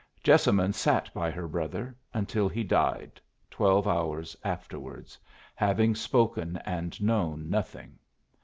Jessamine sat by her brother until he died, twelve hours afterwards, having spoken and known nothing.